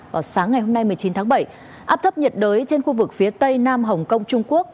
vào sáng ngày hôm nay một mươi chín tháng bảy áp thấp nhiệt đới trên khu vực phía tây nam hồng kông trung quốc